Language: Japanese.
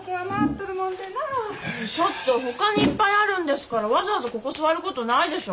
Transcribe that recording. ちょっとほかにいっぱいあるんですからわざわざここ座ることないでしょ。